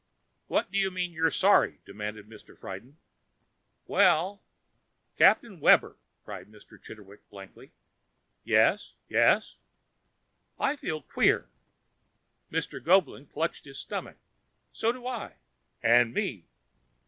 "What do you mean, you're 'sorry'?" demanded Mr. Friden. "Well...." "Captain Webber!" cried Mr. Chitterwick, blinking. "Yes, yes?" "I feel queer." Mr. Goeblin clutched at his stomach. "So do I!" "And me!"